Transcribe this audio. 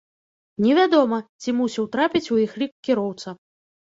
Невядома, ці мусіў трапіць у іх лік кіроўца.